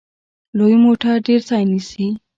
لوی موټر ډیر ځای نیسي.